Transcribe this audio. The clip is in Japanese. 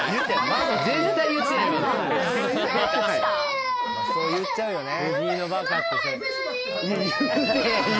まあそう言っちゃうよね